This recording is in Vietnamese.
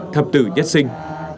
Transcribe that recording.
thập tử nhất sinh